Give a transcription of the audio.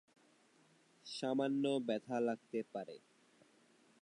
সামান্য ব্যথা লাগতে পারে।